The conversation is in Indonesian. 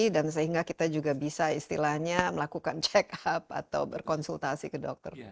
dan sehingga kita juga bisa istilahnya melakukan check up atau berkonsultasi ke dokter